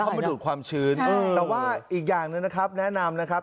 แล้วก็มาดูดความชื้นแต่อีกอย่างนึงนะครับแนะนำนะครับ